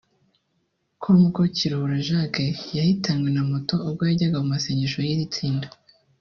com ko Kiruhura Jacques yahitanywe na moto ubwo yajyaga mu masengesho y’iri tsinda